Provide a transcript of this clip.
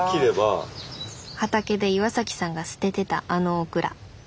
畑で岩さんが捨ててたあのオクラ。